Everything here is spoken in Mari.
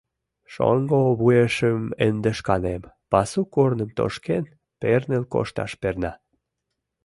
— Шоҥго вуешем ынде шканем, пасу корным тошкен, перныл кошташ перна.